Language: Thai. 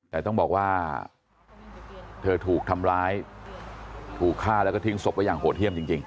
แต่ต้องบอกว่าเธอถูกทำร้ายถูกฆ่าแล้วก็ทิ้งศพไว้อย่างโหดเยี่ยมจริง